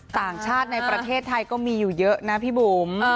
ต่างชาติในประเทศไทยก็มีอยู่เยอะนะพี่บุ๋ม